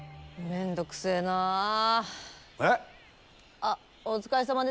あっお疲れさまです。